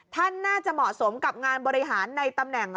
ท่านน่าจะเหมาะสมกับงานบริหารในตำแหน่ง